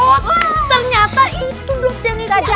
oh ternyata itu duduk yang ikutin